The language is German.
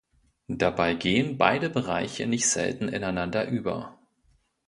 Dabei gehen beide Bereiche nicht selten ineinander über.